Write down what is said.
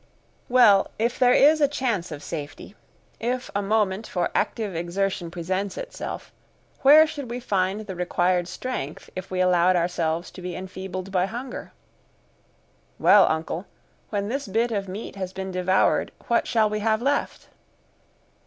"Well, if there is a chance of safety, if a moment for active exertion presents itself, where should we find the required strength if we allowed ourselves to be enfeebled by hunger?" "Well, uncle, when this bit of meat has been devoured what shall we have left?"